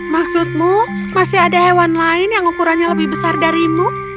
maksudmu masih ada hewan lain yang ukurannya lebih besar darimu